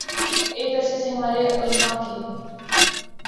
ایک عرصے سے ہمارے علما کے